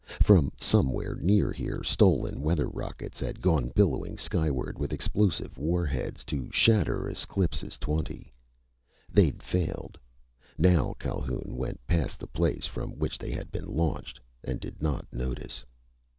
From somewhere near here stolen weather rockets had gone billowing skyward with explosive war heads to shatter Esclipus Twenty. They'd failed. Now Calhoun went past the place from which they had been launched, and did not notice.